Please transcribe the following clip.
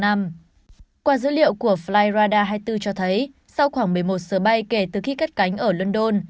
qua dữ liệu của flyradar hai mươi bốn cho thấy sau khoảng một mươi một giờ bay kể từ khi cất cánh ở london